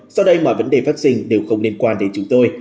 sau đây mọi vấn đề phát sinh đều không liên quan đến chúng tôi